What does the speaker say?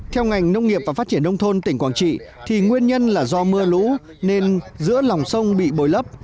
theo ngành nông nghiệp và phát triển nông thôn tỉnh quảng trị thì nguyên nhân là do mưa lũ nên giữa lòng sông bị bồi lấp